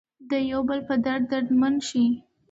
د یو بل په درد دردمن شئ.